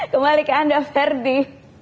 kembali ke anda ferdy